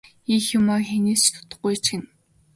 Хийх юмаа хэнээс ч дутахгүй хийчихнэ.